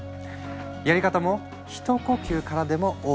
やり方も「ひと呼吸からでもＯＫ！